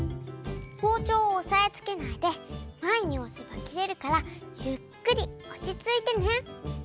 ほうちょうをおさえつけないでまえにおせばきれるからゆっくりおちついてね。